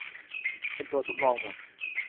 เป็นตัวสำรองหมด